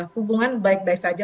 hubungan baik baik saja